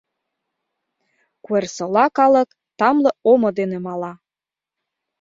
Куэрсола калык тамле омо дене мала.